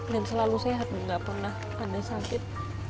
dan selalu sehat gak pernah ada sakit